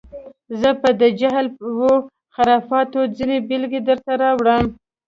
زه به د جهل و خرافاتو ځینې بېلګې دلته راوړم.